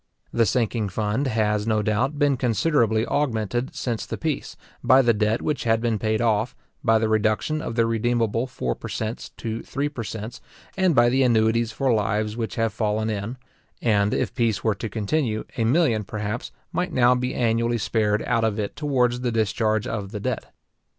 The sinking fund has, no doubt, been considerably augmented since the peace, by the debt which had been paid off, by the reduction of the redeemable four per cents to three per cents, and by the annuities for lives which have fallen in; and, if peace were to continue, a million, perhaps, might now be annually spared out of it towards the discharge of the debt.